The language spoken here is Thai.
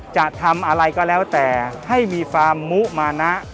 จะทำอะไรก็แล้วแต่ให้มีฟาร์มมุมานะ